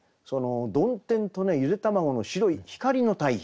曇天とゆで玉子の白い光の対比